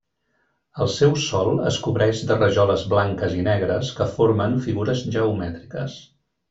El seu sòl es cobreix de rajoles blanques i negres que formen figures geomètriques.